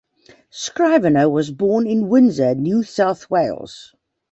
Scrivener was born in Windsor, New South Wales.